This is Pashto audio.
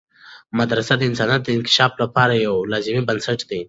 مدرسه د انسانیت د انکشاف لپاره یوه لازمي بنسټ ده.